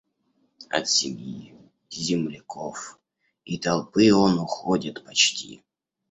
От семьи, земляков и толпы он уходит почти.